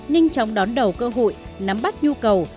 nhanh chóng đón đầu cơ hội nắm bắt nhu cầu